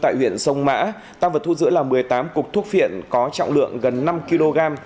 tại huyện sông mã tăng vật thu giữ là một mươi tám cục thuốc phiện có trọng lượng gần năm kg